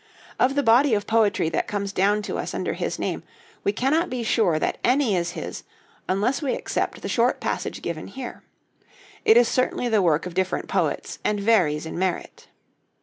Of the body of poetry that comes down to us under his name, we cannot be sure that any is his, unless we except the short passage given here. It is certainly the work of different poets, and varies in merit.